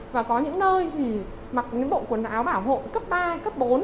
và có những nơi thì mặc những bộ quần áo bảo hộ cấp ba cấp bốn